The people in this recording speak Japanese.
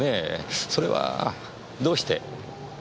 それはどうして？